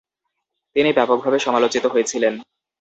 তিনি ব্যাপকভাবে সমালোচিত হয়েছিলেন।